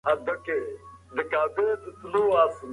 د سردرد شدت باید د ورځې په یادښت کې وي.